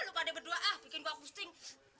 uh lo pada berdua ah bikin gue pusing